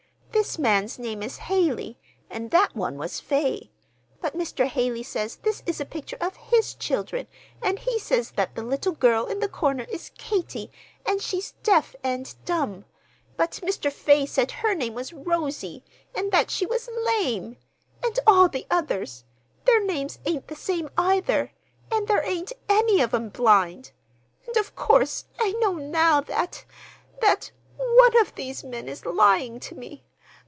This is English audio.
This man's name is Haley, and that one was Fay. But Mr. Haley says this is a picture of his children, and he says that the little girl in the corner is Katy, and she's deaf and dumb; but Mr. Fay said her name was Rosie, and that she was lame. And all the others—their names ain't the same, either, and there ain't any of 'em blind. And, of course, I know now that—that one of those men is lying to me.